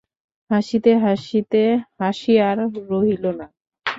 হাসিতে হাসিতে হাসি আর রহিলনা।